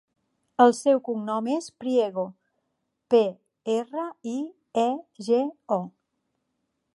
El seu cognom és Priego: pe, erra, i, e, ge, o.